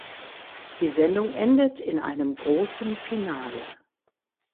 Die Sendung endet in einem großen Finale.